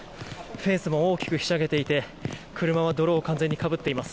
フェンスも大きくひしゃげていて車は泥を完全にかぶっています。